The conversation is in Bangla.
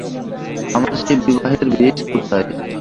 আমার সে বিবাহের বেশ কোথায়।